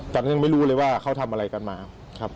ตอนนั้นยังไม่รู้เลยว่าเขาทำอะไรกันมาครับ